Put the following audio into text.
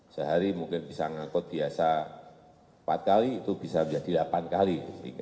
sehari mungkin bisa ngangkut biasa empat kali itu bisa menjadi delapan kali